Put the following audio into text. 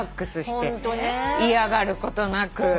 嫌がることなく。